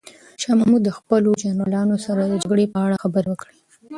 شاه محمود د خپلو جنرالانو سره د جګړې په اړه خبرې وکړې.